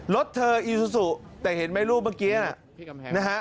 รถเธออีซูซูแต่เห็นไหมรูปเมื่อกี้นะฮะ